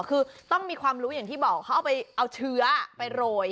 คือต้องมีความรู้อย่างที่บอกเขาเอาไปเอาเชื้อไปโรย